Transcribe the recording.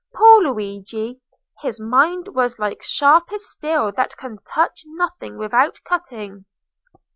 Poor Luigi! his mind was like sharpest steel that can touch nothing without cutting."